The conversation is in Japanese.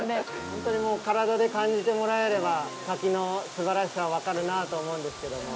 ほんとにもう体で感じてもらえれば、滝のすばらしさは分かるなと思うんですけども。